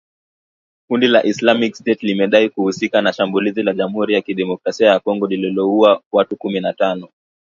Kundi la Islamic State limedai kuhusika na shambulizi la Jamuhuri ya Kidemokrasia ya Congo lililouwa watu kumi na tano